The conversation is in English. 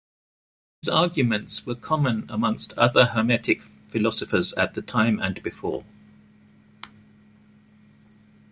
These arguments were common amongst other hermetic philosophers at the time and before.